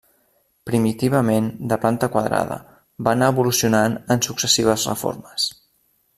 Primitivament de planta quadrada, va anar evolucionant en successives reformes.